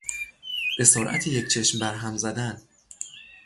به سرعت یک چشم بر هم زدن